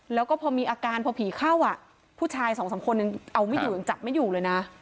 แล้วก็พอมีอาการพอผีเข้าอ่ะผู้ชายสองสามคนยังเอาไม่อยู่ยังจับไม่อยู่เลยนะ